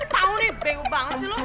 tau nih benguk banget sih lo